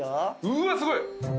うわすごい！